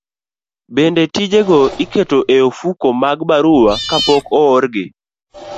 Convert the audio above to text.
Bende tijego iketo e ofuko mag barua kapok oorgi.